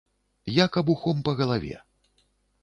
Як абухом па галаве.